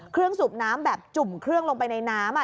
สูบน้ำแบบจุ่มเครื่องลงไปในน้ำ